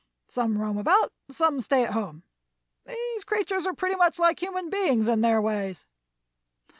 Some roam about and some stay at home. These creatures are pretty much like human beings in their ways.